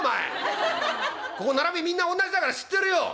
ここ並びみんなおんなじだから知ってるよ」。